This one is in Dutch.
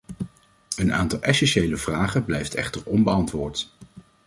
Een aantal essentiële vragen blijft echter onbeantwoord.